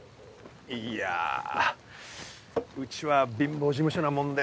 いやうちは貧乏事務所なもんで。